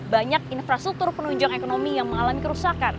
banyak infrastruktur penunjang ekonomi yang mengalami kerusakan